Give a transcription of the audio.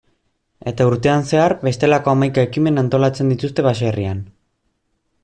Eta urtean zehar, bestelako hamaika ekimen antolatzen dituzte baserrian.